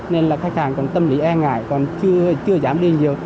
nên là khách hàng còn tâm lý e ngại còn chưa dám đi nhiều